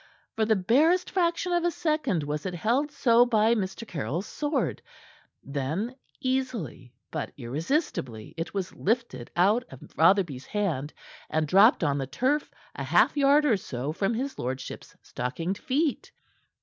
For the barest fraction of a second was it held so by Mr. Caryll's sword; then, easily but irresistibly, it was lifted out of Rotherby's hand, and dropped on the turf a half yard or so from his lordship's stockinged feet.